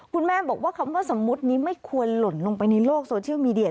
คุณแม่บอกว่าคำว่าสมมุตินี้ไม่ควรหล่นลงไปในโลกโซเชียลมีเดีย